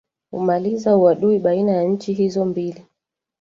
umaliza uadui baina ya nchi hizo mbili